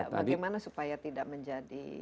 bagaimana supaya tidak menjadi